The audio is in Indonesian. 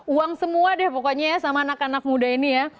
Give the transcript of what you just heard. uang semua deh pokoknya ya sama anak anak muda ini ya